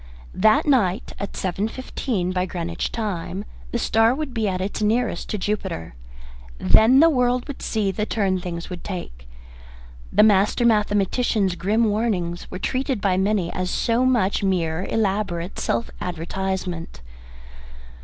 That night, at seven fifteen by Greenwich time, the star would be at its nearest to Jupiter. Then the world would see the turn things would take. The master mathematician's grim warnings were treated by many as so much mere elaborate self advertisement.